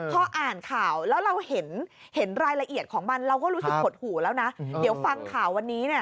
พออ่านข่าวแล้วเราเห็นรายละเอียดของมันเราก็รู้สึกหดหูแล้วนะเดี๋ยวฟังข่าววันนี้เนี่ย